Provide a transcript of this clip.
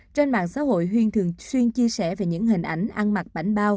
trên mạng xã hội huyên thường xuyên chia sẻ về những hình ảnh